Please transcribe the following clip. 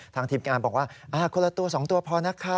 ทีมงานบอกว่าคนละตัว๒ตัวพอนะคะ